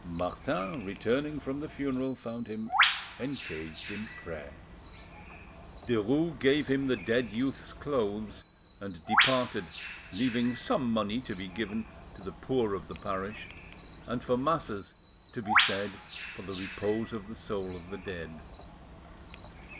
Martin, returning from the funeral, found him engaged in prayer. Derues gave him the dead youth's clothes and departed, leaving some money to be given to the poor of the parish, and for masses to be said for the repose of the soul of the dead.